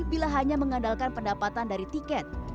bila hanya mengandalkan pendapatan dari tiket